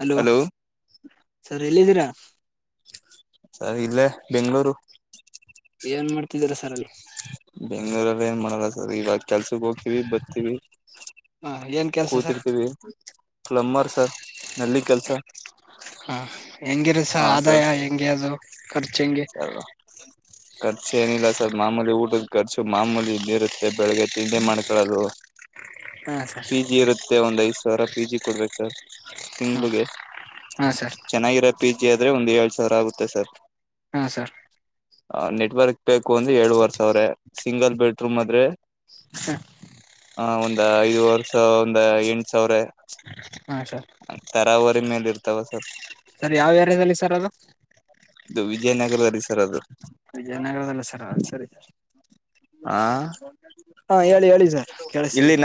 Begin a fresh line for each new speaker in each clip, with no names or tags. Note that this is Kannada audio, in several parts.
ಹಲೋ ಸ ಎಲ್ಲಿದ್ದೀರಾ
[unintelligible] ಇಲ್ಲೇ ಬೆಂಗ್ಳೂರು
ಏನ್ ಮಾಡ್ತಿದ್ದೀರಾ ಸರ್ ಅಲ್ಲಿ
ಬೆಂಗ್ಳೂರಲ್ಲಿ ಏನ್ ಮಾಡಲ್ಲ ಸರ್ ಇವಾಗ್ ಕೆಲ್ಸಕ್ ಹೋಗ್ತೀವಿ ಬತೀವಿ
ಹಾ ಏನ್ ಕೆಲ್ಸ ಸರ್
ಪ್ಲಂಬರ್ ಸರ್ ನಲ್ಲಿ ಕೆಲ್ಸ
ಹಾ ಹೆಂಗಿರಸ
ಹಾ
ಆದಾಯ
ಸರ್
ಹೆಂಗೆ ಅದು ಖರ್ಚ ಹೆಂಗೆ
ಸರ್ ಖರ್ಚು ಏನಿಲ್ಲ ಸರ್ ಮಾಮೂಲಿ ಊಟದ ಖರ್ಚು ಮಾಮೂಲಿ ಇದ್ದೆ ಇರುತ್ತೆ ಬೆಳಗ್ಗೆ ತಿಂಡಿ ಮಾಡ್ಕೊಳ್ಳೋದು
ಹಾ ಸರ್
ಪಿ ಜಿ ಇರುತ್ತೆ ಒಂದ್ ಐದ್ ಸಾವಿರ ಪಿ ಜಿ ಕೊಡ್ಬೇಕು ಸರ್
ಹ್ಮ
ತಿಂಗ್ಳಿಗೆ
ಹಾ ಸರ್
ಚೆನ್ನಾಗಿರುತ್ ಪಿ ಜಿ ಆದ್ರೆ ಒಂದ್ ಏಳು ಸಾವಿರ ಆಗುತ್ತೆ ಸರ್
ಹಾ ಸರ್
ಆ ನೆಟ್ವರ್ಕ್ ಬೇಕು ಒಂದು ಏಳುವರ್ ಸಾವ್ರೆ ಸಿಂಗಲ್ ಬೆಡ್ರೂಮ್ ಆದ್ರೆ ಹ ಒಂದ್ ಐದುವರ್ ಸ ಒಂದ್ ಎಂಟ ಸಾವ್ರೇ
ಹಾ ಸರ್
ತರಾವರಿ ಮೇಲ್ ಇತಾವ ಸರ್
ಸರ್ ಯಾವ್ ಏರಿಯಾದಲ್ಲಿ ಸರ್ ಅದು
ಇದು ವಿಜಯನಗರದ ರಿಸರ್ ಅದು
ವಿಜಯನಗರದಲ್ಲ ಸರ್ ಅಲ್ ಸರಿ
ಹಾ
ಹಾ ಹೇಳಿ ಹೇಳಿ ಸರ್ ಕೇಳಸ್ತಿದೆ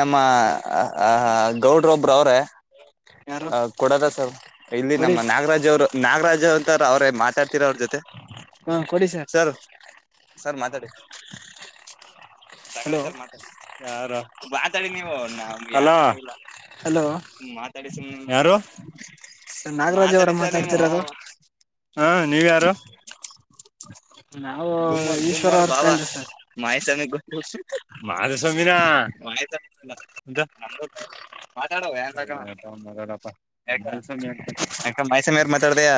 ಆ ಹ ಗೌಡ್ರೋಬ್ಬ್ರು ಅವ್ರೇ
ಯಾರು
ಆ ಕೊಡದ ಸರ್ ಇಲ್ಲಿ
ಕೊಡಿ
ನಮ್ಮ ನಾಗರಾಜ್ ಅವ್ರು ನಾಗರಾಜ ಅಂತಾರ ಅವ್ರೇ ಮಾತಾಡ್ತಿೀರ ಅವ್ರ ಜೊತೆ
ಹ ಕೊಡಿ ಸರ್
ಸರ್ ಮಾತಾಡಿ [inaudible] ತೆಗಳಿ
ಹಲೋ
ಸರ್ ಮಾತಾಡಿ ಯಾರ ಮಾತಾಡಿ ನೀವು ಸ
ಹಲೋ
ಮಾತಾಡಿ ಯಾರು
ನಾಗರಾಜ ಅವರ ಮಾತಾಡ್ತಿರೋದು
ಹಾ ನೀವ ಯಾರು
ನಾವು
ಗುಮ್ಮರ್
ಈಶ್ವರ
ಗುಮ್ಮರ್
ಅವ್ರ
ಬಾಬಾ
ಫ್ರೆಂಡ್ ಸರ್
ಮಾಯಸ್ವಾಮಿ ಮಾಧುಸ್ವಾಮಿನ ಯಕ ಮಾಯಸ್ವಾಮಿಯಾರ್ ಮಾತಾಡ್ದಯ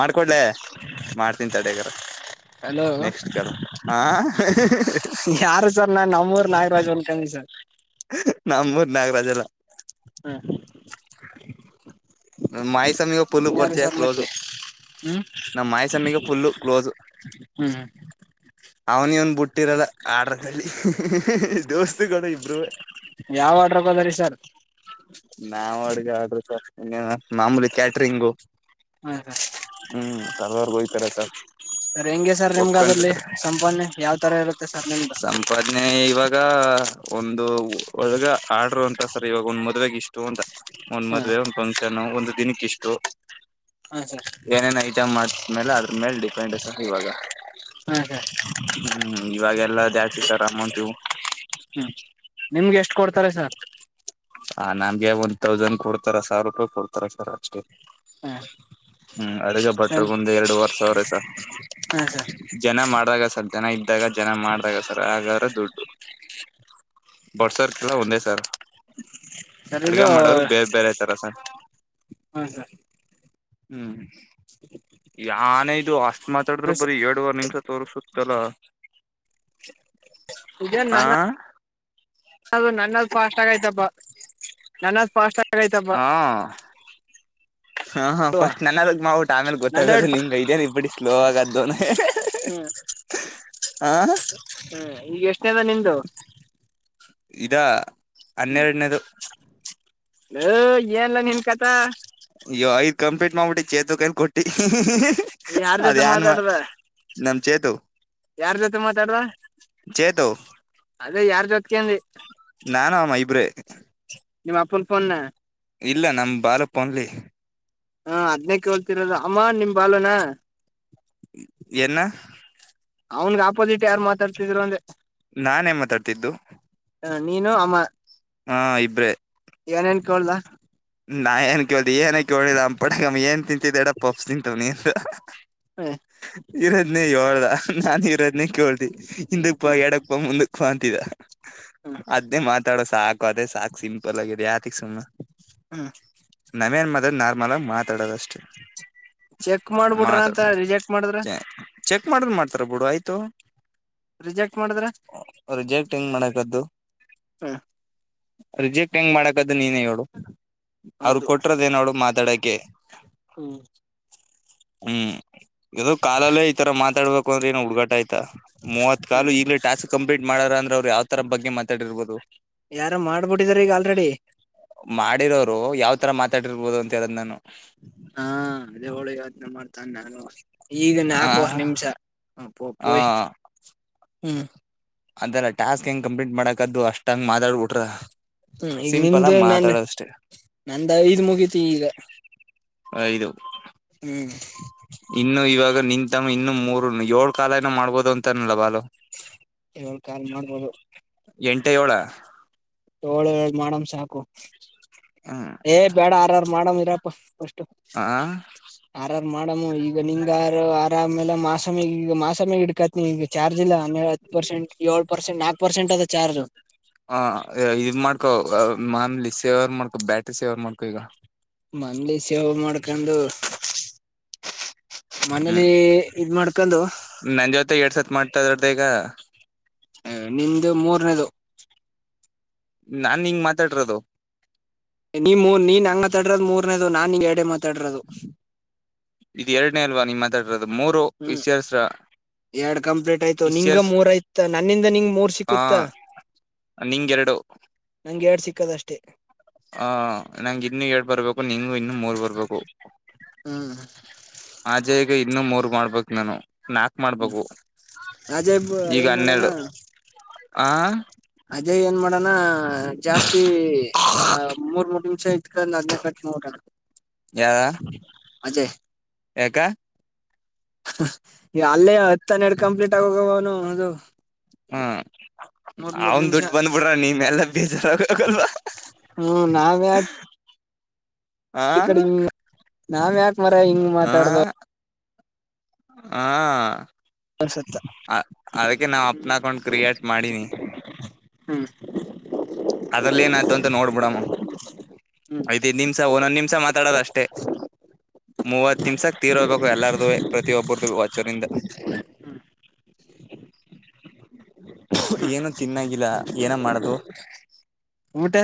ಮಾಡ್ಕೊಡ್ಲ ಮಾಡ್ತಂತಡಗಾರ
ಹಲೋ
ನೆಕ್ಸ್ಟ್ ಕ ಹ ಹ
ಯಾರು ಸರ್ ನಾ ನಮ್ಮೂರು ನಾಗರ್ ಅಂದ್ಕೊಂಡೆ ಸರ್
ನಮ್ಮೂರ್ ನಾಗರಾಜ ಎಲ್ಲ
ಹ್ಮ
ಮಾಯ ಸಮಯ ಒ ುಲ್ಲು
ಯಾರು
ಪರಿಚಯ
ಸರ್
ಕ್ಲೋಸು
ಮತ್ತೆ ಹ್ಮ್
ನಮ್ಮ ಮಾಯಸಮ್ಮಿಗೆ ಪುಲ್ಲು ಕ್ಲೋಸ್
ಹ್ಮ್
ಅವನ್ ಇವನ್ ಬಿಟ್ಟಿರಲ್ಲ ಆಡ್ರ ದೋಸ್ತುಗಳು ಇಬ್ಬರುವೆ
ಯಾವಾಗಾದ್ರೂ ಬನ್ನಿ ಸರ್
ನವು ಅಡ್ಗೆ ಆದ್ರರು ಸರ್ ಇನ್ನೇ ಮಾಮೂಲಿ ಕ್ಯಾಟ್ರಿಂಗು
ಹಾ ಸರ್
ಹ್ಮ್ ಕೆಲವರ್ಗು ಹೋಗ್ತಾರ ಸರ್
ಸರ್ ಹೆಂಗೆ ಸರ್ ನಿಮ್ಗ ಅದ್ರಲ್ಲಿ
ಒಪ್ಕೊಂಡಿರ್ತಾರ
ಸಂಪನ್ನ ಯಾವ ತರ ಇರುತ್ತೆ ಸರ್ ನಿಮ್ದ
ಸಂಪಾದನೆ ಇವಾಗ ಒಂದು ಒಳಗ ಆರ್ಡರು ಅಂತ ಸರ್ ಇವಾಗ ಒಂದ ಮದ್ವೆಗ ಇಷ್ಟು ಅಂತ ಒಂದ್
ಹಾ
ಮದ್ವೆ ಒಂದ್ ಫಂಕ್ಷನ್ ಒಂದ್ ದಿನಕ್ಕೆ ಇಷ್ಟು
ಹಾ ಸರ್
ಏನೇನ್ ಐಟಮ್ ಮಾಡಸ್ಮೇಲೆ ಅದ್ರ ಮೇಲೆ ಡಿಪೆಂಡ್ ಸರ್ ಇವಾಗ
ಹಾ ಸರ್
ಹ್ಮ್ ಇವಾಗ ಎಲ್ಲ ಜಾಸ್ತಿ ಸರ್ ಅಮೌಂಟ್ ಇ
ಹ್ಮ್ ನಿಮ್ಗೆ ಎಷ್ಟು ಕೊಡ್ತಾರೆ ಸರ್
ಹ ನಂಗೆ ಒಂದ್ ತೌಸಂಡ್ ಕೊಡ್ತಾರ ಸಾವಿರ ರೂಪಾಯಿ ಕೊಡ್ತಾರ ಸರ್ ಅಷ್ಟಕ್ಕೆ
ಹಾ
ಹ್ಮ್ ಅಡುಗೆ
ಸರ್
ಭಟ್ಟರು ಒಂದ ಎರಡು ವರ್ ಸಾವಿರಷ್ಟ ಸ
ಹಾ ಸರ್
ಜನ ಮಾಡ್ದಾಗ ಸರ್ ಜನ ಇದ್ದಾಗ ಜನ ಮಾಡ್ದಾಗ ಸರ್ ಹಾಗಗಾದ್ರೆ ದುಡ್ಡು ಬಡ್ಸೋರ್ಕಲ್ಲ ಒಂದೇ ಸರ್
ಸರ್
ಅಡ್ಗೆ
ಇದು
ಮಾಡೋರು ಬೇರೆ ಬೇರೆ ತರ ಸ
ಹಾ ಸರ್
ಹ್ಮ್ ಯ ಅನು ಅ ಮಾತಾಡ್ರರು
ಸರ್
ಬರಿ ಎರಡ್ ವಾರ ನಿಮಿಷ ತೋರು ಸುತ್ತದ
ಇದೇನ್
ಹಾ
ನನ್ನ ಅದು ನನ್ನಷ್ಟು ಫಾಸ್ಟ್ ಆಗಯ್ತಪ್ಪ ನನ್ನದು ಫಾಸ್ಟ್ ಆಗ
ಹಾ ಹಾ ಹ
ಅಲ್ವಾ
ಫಸ್ಟ್ ನನ ಅದಗ್ ಮಾವುಟ್ ಆಮೇಲೆ
ನಂದೆರಡು
ಗೊತ್ತಾಗಲ್ಲ ಹಂಗೈ ಇದ್ಯ ಇ ಬಿಡ ಸ್ಲೋ ಅತ್ತವ್ನೆ
ಹ್ಮ್ ಹ್ಮ್ ಈಗ ಎಷ್ಟನೇದ ನಿಂದು
ಇದ ಹನ್ನೆರಡನೇದು
ಹ ಏನ್ಲ್ಲ ನಿನ್ ಕತ
ಅಯ್ಯೋ ಆಯ್ತ ಕಂಪ್ಲಲಿಟ್ ಮಾಡುಬಿಟ್ಟಿ ಚೇತಕ ಕೊಟ್ಟಿ
ಯಾರ್
ಅದ
ಜೊತೆ
ಯಾನ್ವ
ಮಾತಾಡದ
ನಮ್ ಚೇತು
ಯಾರ್ ಜೊತೆ ಮಾತಾಡುವ
ಚೇತು
ಅದೇ ಯಾರ್ ಜೊತೆ ಅತ್ಯೆ [unintelligible]
ನಾನಮ್ಮ ಇಬ್ರೆ
ನಿಮ್ಮ ಅಪ್ಪು ಫೋನ್ನ
ಇಲ್ಲ ನಮ ಬಾಲಪನ್ಲಿ
ಹಾ ಹದ್ನಕ್ಕೆ ಹೇಳ್ತಿರದು ಅಮ್ಮ ನಿಮ್ ಬಲುನಾ
ಎನ್ನ
ಅವನ್ಗ್ ಆಪೋಸಿಟ್ ಯಾರು ಮಾತಾಡ್ತಿದಿರು ಅಂದೆ
ನಾನೇ ಮಾತಾಡ್ತಿದ್ದು
ಹ ನೀನು ಅಮ್ಮ
ಹಾ ಇಬ್ರೇ
ಕದಾ [unintelligible]
ನಾನ ಕ [unintelligible] ಏನ ಕೇಳಿಲ್ಲ ಅ ಪಡಮ್ ಏನ್ ತಿಂತಿದ್ ಎಡ ಪಪ್ಸ್ ತಿಂತವ್ ನೀ
ಹ್ಮ
ಇರದ್ ನೀ ಯಳದ [unintelligible] ನಾನನ್ ಇರೋ ಕೇೇಳಿ ಹಿಂದಕ್ ಪಾ
ಹ್ಮ್
ಎಡಕ್ ಪ ಮುಂದಕ್ [unintelligible] ಕಾಂತಿಗ
ಹ್ಮ್
ಅದೇನೇ ಮಾತಾಡಸ್ ಸಾಕು ಅದೇ ಸಾಕು ಸಿಂಪಲ್ಲಗರಿ ಯಾತಕಿ ಸುಮ್ನಾ [unintelligible]
ಹ್ಮ್
ನಮೇನ್ ಮದ ನಾ ಮಲ ಮಾತಾಡೋದಷ್ಟೇ
ಚೆಕ್ ಮಾಡ್ಬಿಡ್ರ ಅಂತ ರಿಜೆಕ್ಟ್ ಮಾಡಿದ್ರ
ಚೆಕ್ ಮಾಡ್ರ್ ಮಾಡ್ತಾರ ಬಿುಡು ಆಯ್ತು
ರಿಜೆಕ್ಟ್ ಮಾಡಿದ್ರ
ರಿಜೆಕ್ಟ್ ಹೆಂಗ್ ಮಾಡಕದ್ದು
ಹ್ಮ್
ರಿಜೆಕ್ಟ್ ಹೆಂಗ್ ಮಾಡಕದು ನೀನೇ ಹೇಳು ಅವರು
ಹೌದು
ಕೊಟ್ರದೇ ಎನ್ ಹೇಳು ಮಾತಾಡಕ್ಕೆ
ಹ್ಮ್
ಹ್ಮ್ ಇದು ಕಾಲಲ್ಲೇ ಈ ತರ ಮಾತಾಡ್ಬೇಕು ್ರಾ [unintelligible] ಆಯ್ತಾ ಮೂವತ್
ಹ್ಮ್
ಕಾಲು ಈಗ್ ಟಾಸ್ಕ್ ಕಂಪ್ಲೀಟ್ ಮಾಡಾರ ಅಂದ್ರ ಅವ್ರು ಯಾವ ತರ ಬಗ್ಗೆ ಮಾತಾಡಿರ್ಬೋದು
ಯಾರ ಮಾಡ್ಬಿಟ್ಟಿದಾರ ಈಗ ಆಲ್ರೆಡಿ
ಮಾಡಿರರು ಮಾಡಿರೋರು ಯಾವ್ ತರ ಮಾತಾಡಿರ್ಬಹುದು ಅಂತ ಹೇಳದ್ ನಾನು
ಹಾ ಅದೇ ಹೋಳಿ ಯತ್ನೆ ಮಾಡ್ತಾನೆ ನಾನು ಈಗ
ಆ
ನಾಲ್ಕುವರ್ ನಿಮಿಷ ಹ
ಆ
ಪಪಯಿ [unintelligible] ಹ್ಮ
ಅದಲ್ಲ ಟಾಸ್ಕ್ ಹೆಂಗ್ ಕಂಪ್ಲೀಟ್ ಮಾಡಕದದು ಅಷ್ಟ ಹಂಗ್ [unintelligible]
ಹ್ಮ ಈಗ ನಿಂದ ನನ್
ಮಾತಾಡೋದಷ್ಟೇ
ನಂದ ಇದ್ ಮುಗತಿ ಈಗ [unintelligible]
ಇಐದು
ಹ್ಮ್
ಇನ್ನು ಮೂರು ಏಳ್ು ಕಾಲಏನ ಮಾಡ್ಬೋದು ಅಂತನಲ್ಲ ಬಾಲು
ಏಳ್ ಕಾಲ್ ಮಾಡ್ಬೋದು
ಎಂಟ ಯೋಳಾ?
ಯೋಳೆ ಹೇಳ್ ಮಾಡಮ್ ಸಾಕು.
ಹ್ಮ್
ಏ ಬೇಡ ಆರಾರ್ ಮಾಡಣರಿಪ್ [unintelligible]
ಆ
ಮಾಡ ಹ್ಮ್ ಈಗ ನಿಂಗಾರು ಆರ್ ಆಮೇಲೆ ಮಾಸಮಿಗೀಗ ಮಾಸಮಿಗ್ ಹಿಡ್ಕತೀನಿಲ್ಲಿ. ಚಾರ್ಜ್ ಇಲ್ಲ ಆಮೇಲ್ ಹತ್ ಪರ್ಸೆಂಟ್ ಯೋಳ್ ಪರ್ಸೆಂಟ್ ನಾಕ್ ಪರ್ಸೆಂಟ್ ಅದ ಚಾರ್ಜ್.
ಹಾಂ ಇದ್ ಮಾಡ್ಕೋ ಮಾಮೂಲಿ ಸೇವರ್ ಮಾಡ್ಕೊ ಬ್ಯಾಟ್ರಿ ಸೇವರ್ ಮಾಡ್ಕೊ ಈಗ.
ಮಂಡ್ಲಿ ಸೇವ್ ಮಾಡ್ಕೊಂದು
ಹ್ಮ್
ಮನೇಲಿ ಇದ್ ಮಾಡ್ಕೊಂಡು
ನನ್ ಜೊತೆ ಎರಡ್ ಸತ್ ಮಾತಾಡ್ದೆ ಈಗ.
ಏ ನಿಮ್ದು ಮೂರನೇದು.
ನಾನ್ ನಿಂಗ್ ಮಾತಾಡಿರೋದು.
ನೀ ಮೊ ನೀನ್ ಹಂಗ್ ತಡ್ರದ ಮೂ ನಾ ನಿಗ್ ಎಡೆ ಮದ್
ಇದ್ ಎರ್ಡನೇ ಅಲ್ವಾ ನಿಮ್ಮ್ತ್ತೆ ಮಾತಾಡ್ರೋದು
ಹ್ಮ್ ಎರ್ಡ್ ಕಂಪ್ಲೀಟ್ ಆಯ್ತು ನಿಂಗ
ಇಸ್ಯರ್ಸ್
ಮೂರ್ ಆಯ್ತ ನನ್ನಿಂದ ನಿಂಗ ಮೂರ್
ಆ
ಸಿಕ್ಕುತ್ತಾ
ನಿಂಗ್
ನಂಗ್ ಎರ್ಡ್ ಸಿ ಕದಷ್ಟೇ
ಹ ನಂಗ ಇನ್ನು ಎರ್ಡ್ ಬರ್ಬೇಕು ನಿಂಗ್ ಇನ್ನು ಮೂರ್ ಬರ್ಬೇಕು
ಹ್ಮ್
ಆಜೆ ಈಗ ಇನ್ನು ಮೂರ್ ಮಾಡ್ಬೇಕ್ ನಾನು ನಾಲ್ಕ್
ಹ್ಮ್
ಮಾಡ್ಬೇಕು
ಅಜಯ್
ಈಗ
ಏನ್
ಹನ್ನೆರ್ಡು ಆ
ಅದೇ ಏನ್ ಮಾಡಣ ಆ ಜಾಸ್ತಿ ಆ ಮೂರ್ ಮೂರ್ ನಿಮ್ ಚ ಇಟ್ಕ ಅದ್ನೇ ಕಟ್ ಮಾಡ್ಬಿಡಣ
ಯಾರ
ಅಜಯ್
ಎಕ
ಅಲ್ಲೇ ತನ್ ಎಡ್ ಕಂಪ್ಲೀಟ್ ಆಗೋಗುವವ ಅವ್ನು ಹೌದು
ಹ್ಮ ಅವನ್ ದುಡ್ ಬಂದ್ಬಿಡ್ರ ನೀಮ್ಮ ಎಲ್ಲ ಬೇಜಾರ
ಹ್ಮ ನಾವ್ಯಕ್
ಹಾ
ನಾವ್ ಯಾ ಮರ ಹಿಂಗ್ ಮಾತಾಡ್ದು
ಹಾ
ಅ ಸುತ್ತ
ನಾವ್ ಅಪ್ನ ಅಕೌಂಟ್ ಕ್ರಿಯೇಟ್ ಮಾಡೀನಿ
ಹ್ಮ [unintelligible] ಹ್ಮ್
ಅದ್ರಲ್ಲಿ ಏನಾಯ್ತು ಅಂತ ನೋಡ್ಬಿಡಮ್ಮ
ಹ್ಮ್
ಐ್ತ ಐತ್ ನಿಮ್ಸ ಒಂದ್ ನಿಮಿಷ ಮಾತಾಡೋದ ಅಷ್ಟೇ ಮೂವತ್ತು ನಿಮ್ಸಕ್ ತೀರಹೋಗ್ಬೇಕು ಎಲ್ಲಾರದು ಪ್ರತಿ ಒಬ್ಬರು ದು ಅಚರಿಂದ ಏನು ತಿನ್ನಾಗಿಲ್ಲ ಏನ ಮಾಡ್ದು
ಊಟ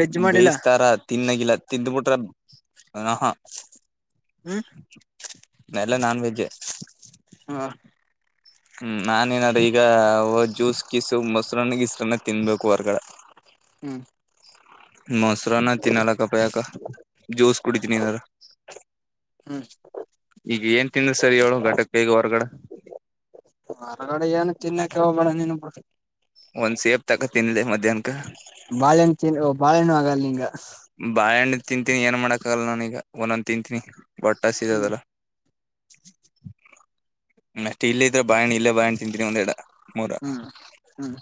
ವೆಜ್ ಮಾಡಿಲ್ಲ
ಬೇಯಿಸಸ್ತಾರ ತಿನ್ನಾಗಿಲ್ಲ ತಿಂದ್ ಬಿಟ್ರ ಹಃ ಹಾ
ಹ್ಮ್
ನೆಲ್ಲ ನಾನ್ವೆಜೆ
ಹ
ಹ್ಮ್ ನಾನ ನಾದ್ರಿ ಈಗ ಜ್ಯೂಸ್ ಕಿಸು ಮೊಸರನ್ನಗಿಸ್ರನ್ನ ತಿನ್ಬೇಕು ಹೊರ್ಗಡೆ
ಹ್ಮ್
ಮೊಸರಾನ ತಿನ್ನಲ್ಲಕ್ಕಯಕಜ್ಯೂಸ್ ಕುಡಿತೀನಿ ಎನಾರ
ಹ್ಮ್
ಈಗ ಏನ್ ತಿಂದರಸರಿ ಹೇಳ ಘಟಕಹೊರ್ಗಡೆ
ಹೊರಗಡೆ ಏನು ತಿನ್ನಕ [inaudible] [inaudible]
ಒಂದ್ ಸೇಬತಗತಿನಲೆಮತ್ತೆ ದನಕ [unintelligible]
ಬಳೆಣೂ ಆಗಲ್ಲಿಂಗ [unintelligible]
ಬಾಳೆ ಹಣ್ಣುತಿಂತೀನಿ ಏನ್ ಮಾಡಕ್ಹಾಗಲ್ಲ ನಾನೀಗ ಒಂದೊಂದ್ ತಿಂತೀನಿ ಬಟ್ಟಾ ಸಿೀಜ
ಹ್ಮ್
ತಲ್ಲ [unintelligible] [inaudible] [inaudible] ಅಷ್ಟ್ ಇಲ್ಲ ಇದ್ರ ಬಾಯಣ್ಣ ಇಲ್ಲೇ ಬಾಯಣ್ಣ ತಿಿಂದಂತೀನಿ ಒಂದ್ ಎಡ
ಹ್ಮ್ ಹ್ಮ್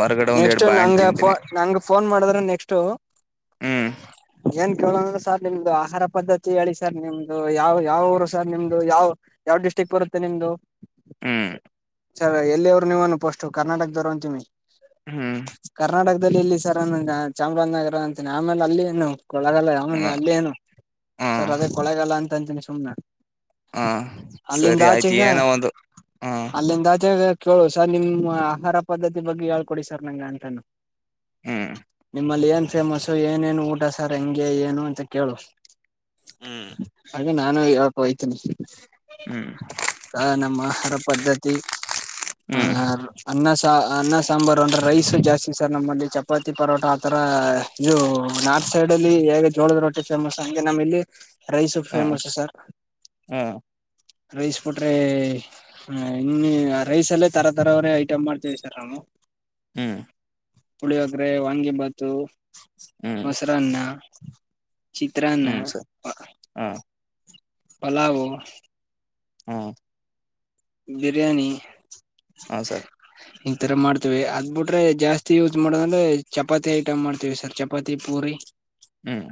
ಹೊರಗಡೆ ಒಂದೆರಡು
ನೆಕ್ಸ್ಟ್
ಬಾಳೆಹಣ್ಣು
ನಂಗೋ
ತಿಂತೀನಿ
ನಂಗ ಫೋನ್ ಮಾಡಿದ್ರೆ ನೆಕ್ಟ್
ಹ್ಮ್
ಏನ್ ಸರ್ ನಿಮ್ದು ಆಹಾರ ಪದ್ಧತಿ ಹೇಳಿ ಸರ್ ನಿಮ್ದು ಯಾವ್ ಯಾವ ಊರು ಸರನಿಮ್ದು ಯಾವ ಯಾವ ಡಿಸ್ಟ್ರಿಕ್ ಬರುತ್ತೆ ನಿಮ್ದು
ಹ್ಮ್
ಸರ್ ಎಲ್ಲಿ ಅವ್ರು ನೀವುಫೋಸ್ಟ್ರ ಕರ್ನಾಟಕದವರು ಅಂತೀಮಿ
ಹ್ಮ್
ಇಲ್ಲಿ ಸರ ನನಗಚಾಮರಾಜನಗರ ಅಂತೇನಿ ಆಮೇಲೆ ಅಲ್ಲಿಏನು ಕೊಳಗಾಲ ರಾಮಲ್ಲ
ಹ್ಮ್
ಅಲ್ಲಿ ಏನು ಸರ್ ಅದೇ ಕೊಳಗಾಲ ಅಂತ ಅಂತನಿ [unintelligible] ಸುನೆ [inaudible]
ಹಾ ಸರಿ ಆಯ್ತು ಏನೋ ಒಂದು ಹ್ಮ
ಮತ್ತೆ ಕೇಳು ಸರ್ ನಿಮ್ಮ್ ಆಹಾರ ಪದ್ಧತಿ ಬಗ್ಗೆ ಹೇಳ್ಕೊಡಿ ಸರ್ ನಂಗ ಅಂತಾನ
ಹ್ಮ್
ನಿಮ್ಮಲ್ಲಿ ಏನ್ ಫೇಮಸ್ಸು ಏನೇಏನು ಊಟ ಸರ್ ಹೆಂಗೆ ಏನು ಅಂತ ಕೇಳು
ಹ್ಮ್
ಹಾಗೆ ನಾನು ಆಪಯಿ [unintelligible]
ಹ್ಮ್
ಆ ನಮ್ಮ ಆಹಾರ ಪದ್ಧತಿ ಹ
ಹ್ಮ್
[inaudible] ಅನ್ನ ಅನ್ನ ಸಾಂಬಾರು ಅಂದ್ರೆ ರೈಸ್ ಜಾಸ್ತಿ ಸರ್ ನಮ್ಮಲ್ಲಿ ಚಪಾತಿ ಪರೋಟ ಆತರ ಇದು ನಾರ್ತ್ ಸೈಡ್ ಅಲ್ಲಿ ಹೇಗೆ ಜೋಳದ ರೊಟ್ಟಿ ಫೇಮಸ್ ಹಂಗೆ ನಮ್ಮ ಇಲ್ಲಿ ರೈಸ್
ಹ್ಮ್
ಫೇಮಸ್ ಸರ್
ಹ್ಮ್
ರೈಸ್ ಕೋಟ್ರೆ ಹ್ಮ್ ರೈಸಲ್ಲೇ ತರ ತರವರೇ ಐಟಮ್ ಮಾಡ್ತೀವಿ ಸರ್ ನಾವು
ಹ್ಮ್
ಪುಳಿಯೊಗರೆ ವಾಂಗಿಬಾತು
ಹ್ಮ್
ಮೊಸರನ್ನ ಪ್ಚ್ ಹ ಚಿತ್ರನ್ನ
ಹ್ಮ್ ಸರ್
ಪರ
ಹ್ಮ್
ಪಲಾವ
ಹಾ
ಬಿರಿಯಾನಿ
ಹಾ ಸರ್
ಇಥರ ಮಾಡ್ತೀವಿ ಅದ್ ಬಿಟ್ರೆ ಜಾಸ್ತಿ ಯೂಸ್ ಮಾಡೋದಂದ್ರೆ ಚಪಾತಿ ಐಟಮ್ ಮಾಡ್ತೀವಿ ಸರ್ ಚಪಾತಿ ಪೂರಿ
ಹ್ಮ್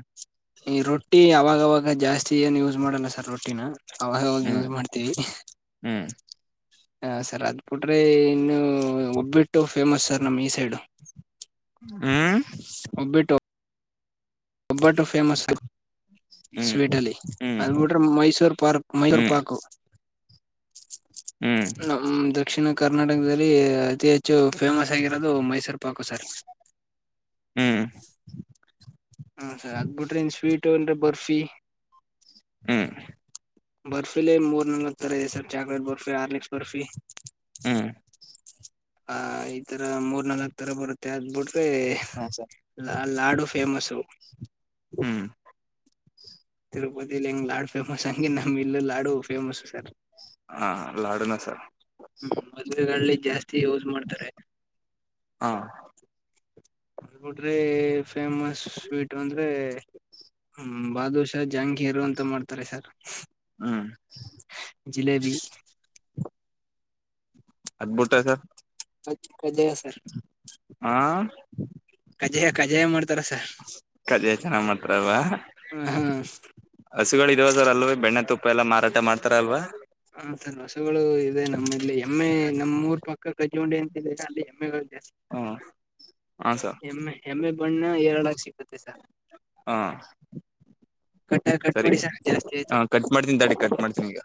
ಈ ರೊಟ್ಟಿ ಅವಾಗವಾಗ ಜಾಸ್ತಿ ಏನು ಯೂಸ್ ಮಾಡಲ್ಲ ಸರ್ ರೊಟ್ಟಿನ ಅವ
ಹ್ಮ್
ಯೂಸ್ ಮಾಡ್ತೀವಿ
ಹ್ಮ್
ಹ ಸರ್ ಅದ್ ಬಿುಟ್ರೆ ಇನ್ನು ಒಬ್ಬಿಟ್ಟು ಫೇಮಸ್ ಸರ್ ನಮ ಈ ಸೈಡು
ಹ್ಮ್
ಒಬ್ಬಟ್ಟು ಫೇಮಸ್
ಹ್ಮ್
ಸ್ವೀಟ್ ಅಲ್ಲಿ
ಹ್ಮ್
ಅದು ಬಿಟ್ರೇ ಮೈಸೂರ್ ಪಾರ್ಕ್ ಮೈಸೂರ್
ಹ್ಮ್
ಪಾರ್ಕು
ಹ್ಮ್
ನಂಬದ ದಕ್ಷಿಣ ಕರ್ನಾಟಕದಲ್ಲಿ ಅತಿ ಹೆಚ್ಚು ಫೇಮಸ್ ಆಗಿರೋದು ಮೈಸೂರು ಪಾಕು ಸರ್
ಹ್ಮ್
ಅದ ಹ್ಮ ಸರಿ ಆಗ್ಬಿಟ್ರಿ ಇನ್ ಸ್ವೀಟ ಅನ್ ಬರ್ಫಿ
ಹ್ಮ್
ಬರ್ಫಿಲಿ ಮೂರ್ ನಾಲ್ಕ್ ತರ ಇದೆ sir chocolate barfi Horlicks barfi ಚೈ ಚೈ
ಹ್ಮ್
ಆ ಈ ತರ ಮೂರ್ ನಾಲ್ಕ್ ತರ ಬರುತ್ತೆ ಅದ್ ಬಿಡ್ ತ್ತೇ
ಹಾ ಸರ್
ನಾ ಲಾಡು ಫೇಮಸು
ಹು
ತಿರುಪತಿಲಿ ಹೆಂಗ ಲಾಡು ಫೇಮಸ್ ಹಂಗ ನಮ್ಮ್ ಇಲ್ಲ ಲಾಡು ಫೇಮಸ್ ಸರ್
ಹಾ ಲಾಡುನ ಸರ್
ಹ್ಮ್ ಮದುವೆಗಳಲ್ಲಿ ಜಾಸ್ತಿ ಯೂಸ್ ಮಾಡ್ತಾರೆ
ಹಾ
ನೋಡ್ರಿ ಫೇಮಸ್ ಸ್ವೀಟ್ ಅಂದ್ರೆ ಬಾದೂಶ ಜಾಂಗೀರು ಅಂತ ಮಾಡ್ತಾರೆ ಸರ್
ಹ್ಮ್
ಜಿಲೇಬಿ
ಅದ್ಭುತದ
ಮತ್ ಕಜ್ಜಾಯ ಸರ್
ಹ
ಕಜ್ಜಾಯ ಕಜ್ಜಾಯ ಮಾಡ್ತಾ ತ್ತರಸ
ಕಜಾಯ ಚೆನ್ನಾಗ್ ಮಾಡ್ತಾರೆ ಅಲ್ವಾ
ಹ್ಮ ಹ್ಮ
[unintelligible] ಅಲ್ವೇ ಬೆಣ್ಣೆ ತುಪ್ಪ ಎಲ್ಲ ಮಾರಾಟ ಮಾಡ್ತಾರಲ್ವಾ
ಹ ಸರ್ ಹಸುಗಳು ಇದೆ ನಮ್ಮ [unintelligible] ಇಲ್ಲ ಎಮ್ಮೆ ನಮ್ಮ ಊರು ಪಕ್ಕ ಕಟ್ಕೊಂಡಿ [unintelligible]
ಹ್ಮ ಹಾ ಸರ್
ಎಮ್ಮೆ ಎಮ್ಮೆ ಬಣ್ಣ ಎರಡು ಹಾಚಿ [unintelligible] [unintelligible]
ಹ
ಸರ್ ಕಟ್ಟ ಕಟ್
ಸರಿ
ಮಾಡಿ ಸರ್ ಜಾಸ್ತಿ ಆಯ್ತು
ಹ ಕಟ್ ಮಾಡ್ತೀನಿ ತಡಿ ಕಟ್ ಮಾಡ್ತೀನಿ ಈಗ